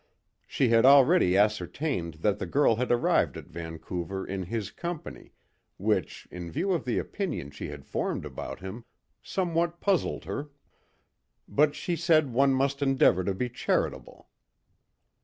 She had already ascertained that the girl had arrived at Vancouver in his company, which, in view of the opinion she had formed about him, somewhat puzzled her; but she said one must endeavour to be charitable.